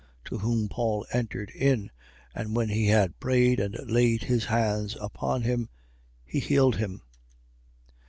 To whom Paul entered in. And when he had prayed and laid his hands on him, he healed him.